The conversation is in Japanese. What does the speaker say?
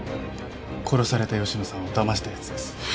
殺された吉野さんをだましたやつです。